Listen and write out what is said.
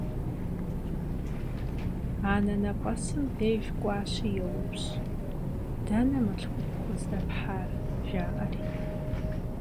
Anenep'esım dêjj k'uaşi youpş': «Dene mılhxupxhur zdephar?» – jja'eri.